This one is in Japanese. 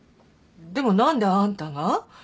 でも何であんたが？